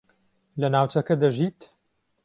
لە ناوچەکە دەژیت؟